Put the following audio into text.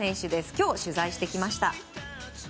今日、取材してきました。